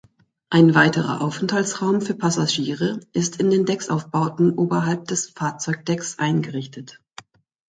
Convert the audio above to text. Ein weiterer Aufenthaltsraum für Passagiere ist in den Decksaufbauten oberhalb des Fahrzeugdecks eingerichtet.